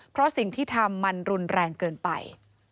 เพราะสิ่งที่ทำมันรุนแรงเกินไป